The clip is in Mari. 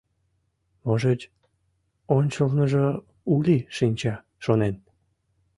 Можыч, ончылныжо Ули шинча, шонен?